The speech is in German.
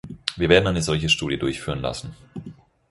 Wir werden eine solche Studie durchführen lassen.